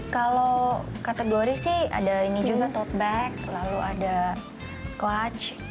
kalau kategori sih ada ini juga tote bag lalu ada clutch